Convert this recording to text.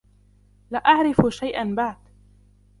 لا أعرف شيئاً بعد.